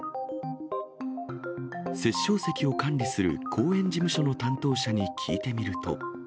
殺生石を管理する公園事務所の担当者に聞いてみると。